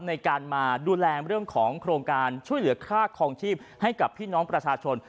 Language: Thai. ในการมาดูแลเรื่องของโครงการช่วยเหลือค่าคลองชีพให้กับพี่น้องประชาชน